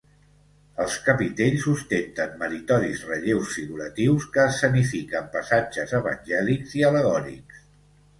Els capitells ostenten meritoris relleus figuratius que escenifiquen passatges evangèlics i al·legòrics.